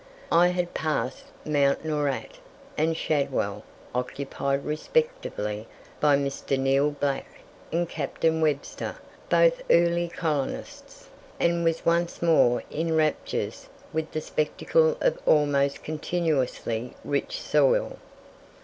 I had passed Mounts Noorat and Shadwell, occupied respectively by Mr. Neil Black and Captain Webster, both early colonists, and was once more in raptures with the spectacle of almost continuously rich soil.